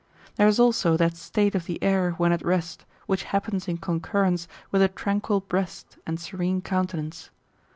There is also that state of the air when at rest, which happens in concurrence with a tranquil breast and serene countenance.